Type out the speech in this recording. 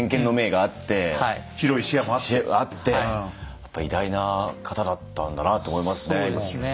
やっぱ偉大な方だったんだなと思いますね聞くと。